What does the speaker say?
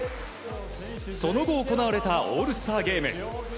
その後、行われたオールスターゲーム。